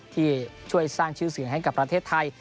ที่ช่วยสร้างชื่อเสียงให้กับประเทศไทย